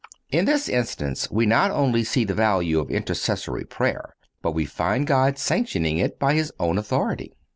(202) In this instance we not only see the value of intercessory prayer, but we find God sanctioning it by His own authority.